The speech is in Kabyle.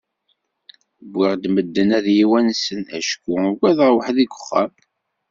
Wwiɣ-d medden ad yi-wansen, acku ugadeɣ weḥd-i deg uxxam.